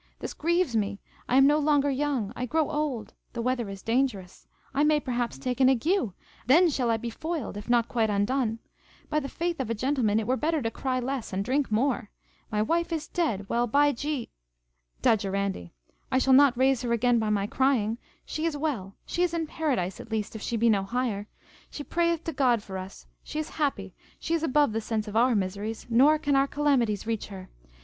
This grieves me. I am no longer young, I grow old, the weather is dangerous; I may perhaps take an ague, then shall I be foiled, if not quite undone. By the faith of a gentleman, it were better to cry less, and drink more. My wife is dead, well, by G ! (da jurandi) I shall not raise her again by my crying: she is well, she is in paradise at least, if she be no higher: she prayeth to God for us, she is happy, she is above the sense of our miseries, nor can our calamities reach her.